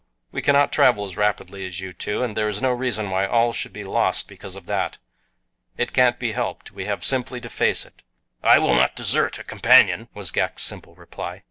We cannot travel as rapidly as you two, and there is no reason why all should be lost because of that. It can't be helped we have simply to face it." "I will not desert a companion," was Ghak's simple reply.